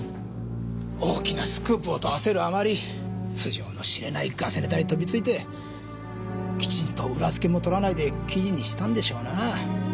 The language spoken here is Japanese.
大きなスクープをと焦るあまり素性の知れないガセネタに飛びついてきちんと裏付けも取らないで記事にしたんでしょうなぁ。